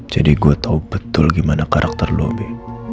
jadi gue tahu betul gimana karakter lo bi